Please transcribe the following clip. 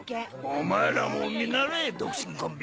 お前らも見習え独身コンビ。